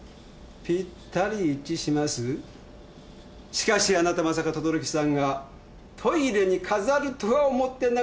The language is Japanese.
しかしあなたまさか等々力さんがトイレに飾るとは思ってなかった。